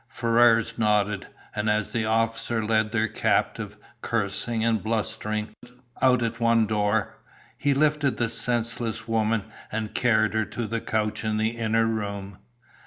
Ferrars nodded, and as the officers led their captive, cursing and blustering, out at one door, he lifted the senseless woman, and carried her to the couch in the inner room.